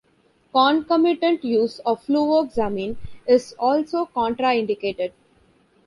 Concomitant use of fluvoxamine is also contraindicated.